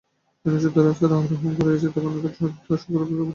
যিনি উচ্চতর স্তরে আরোহণ করিয়াছেন, তাঁহার নিকট এই সত্তা স্বর্গরূপে প্রতিভাত হন।